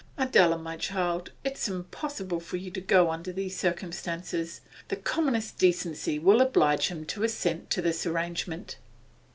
Adela, my child, it's impossible for you to go under these circumstances. The commonest decency will oblige him to assent to this arrangement.